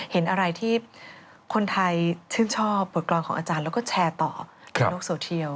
เห็นอะไรที่คนไทยชื่นชอบบทกรรมของอาจารย์แล้วก็แชร์ต่อในโลกโซเทียล